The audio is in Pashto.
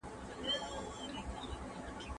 دا مطالعه موږ سره د نظم په راوستلو کي مرسته کوي.